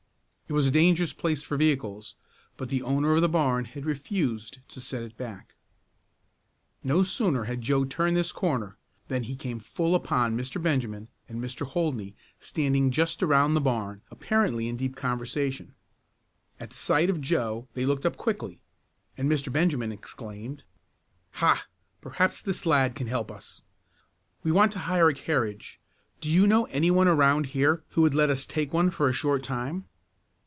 It was a dangerous place for vehicles, but the owner of the barn had refused to set it back. No sooner had Joe turned this corner than he came full upon Mr. Benjamin and Mr. Holdney standing just around the barn, apparently in deep conversation. At the sight of Joe they looked up quickly, and Mr. Benjamin exclaimed: "Ha! Perhaps this lad can tell us. We want to hire a carriage. Do you know any one around here who would let us take one for a short time?"